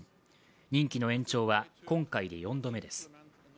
任期の延長は今回で４度目です。